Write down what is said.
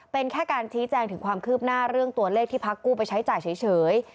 เป็นแค่การชี้แจงถึงความคืบหน้าเรื่องตัวเลขที่พักกู้ไปใช้จ่ายเฉย